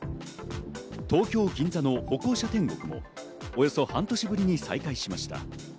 東京・銀座の歩行者天国もおよそ半年ぶりに再開しました。